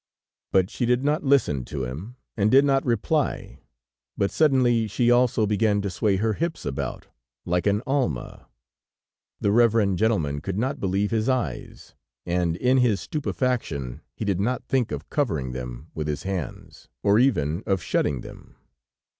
But she did not listen to him, and did not reply, but suddenly she also began to sway her hips about like an almah. The reverend gentleman could not believe his eyes, and in his stupefaction, he did not think of covering them with his hands or even of shutting them.